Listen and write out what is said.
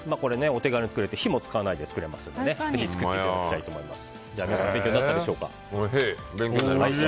お手軽に作れて火も使わないで作れるのでぜひ作っていただきたいと思います。